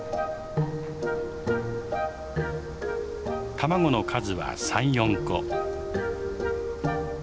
卵の数は３４個。